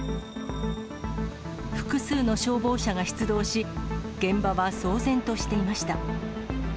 複数の消防車が出動し、現場は騒然としていました。